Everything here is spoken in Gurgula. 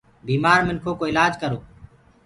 بيمآر منکو ڪو الآج ڪرو